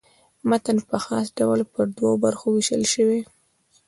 متن په خاص ډول پر دوو برخو وېشل سوی.